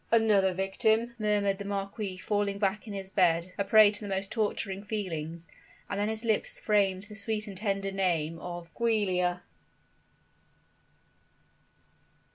"Another victim!" murmured the marquis falling back in his bed, a prey to the most torturing feelings; and then his lips framed the sweet and tender name of "GIULIA!"